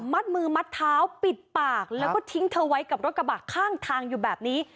มัดมือมัดเท้าปิดปากแล้วก็ทิ้งเธอไว้กับรถกระบะข้างทางอยู่แบบนี้